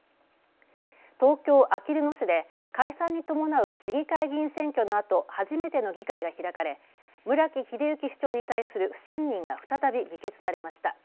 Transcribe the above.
東京あきる野市で解散に伴う市議会議員選挙のあと初めての議会が開かれ、村木英幸市長に対する不信任が再び議決されました。